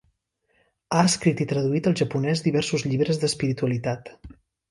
Ha escrit i traduït al japonès diversos llibres d'espiritualitat.